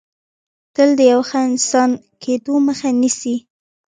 تل د یو ښه انسان کېدو مخه نیسي